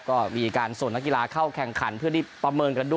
ก็มีการส่งนักกีฬาเข้าแข่งขันเพื่อที่ประเมินกันด้วย